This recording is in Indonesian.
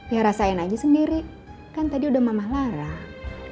ya rasain aja sendiri kan tadi udah mama larang